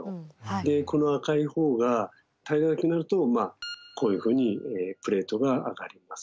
この赤い方が耐えられなくなるとこういうふうにプレートが上がります。